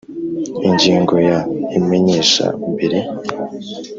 Ingingo ya imenyesha mbere